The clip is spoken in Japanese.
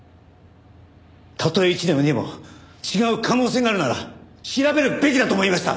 たとえ一でも二でも違う可能性があるなら調べるべきだと思いました！